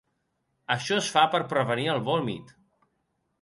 Això es fa per prevenir el vòmit.